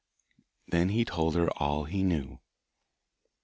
Then he told her all he knew.